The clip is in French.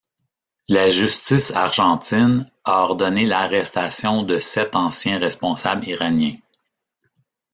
La justice argentine a ordonné l'arrestation de sept anciens responsables iraniens.